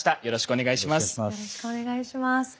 よろしくお願いします。